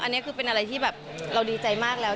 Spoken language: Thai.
อันนี้คือเป็นอะไรที่แบบเราดีใจมากแล้ว